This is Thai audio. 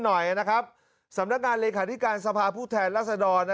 หน่อยนะครับสำนักงานเลขาธิการสภาพผู้แทนรัศดร